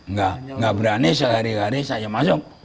nggak berani sehari hari saya masuk